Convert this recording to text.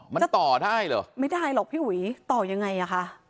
มันต่อได้เหรอไม่ได้หรอกพี่อุ๋ยต่อยังไงอ่ะคะ